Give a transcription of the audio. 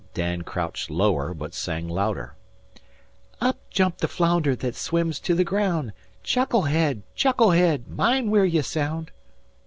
Dan crouched lower, but sang louder: "Up jumped the flounder that swims to the ground. Chuckle head! Chuckle head! Mind where ye sound!"